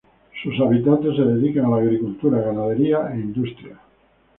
Sus habitantes se dedican a la agricultura, ganadería e industria.